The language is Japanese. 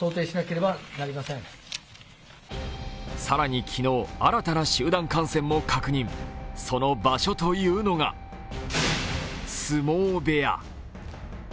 更に昨日、新たな集団感染も確認その場所というのが相撲部屋。